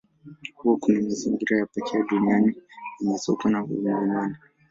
Huko kuna mazingira ya pekee duniani yenye sokwe wa milimani.